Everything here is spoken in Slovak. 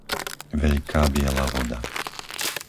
Veľká Biela voda